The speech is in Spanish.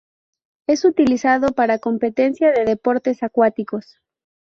Es utilizado para competencia de deportes acuáticos.